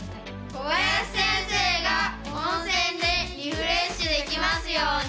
「こばやし先生が温泉でリフレッシュできますように！」。